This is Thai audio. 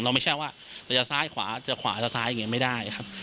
ไม่ใช่ว่าเราจะซ้ายขวาจะขวาจะซ้ายอย่างนี้ไม่ได้ครับ